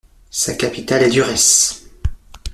Sa capitale est Durrës.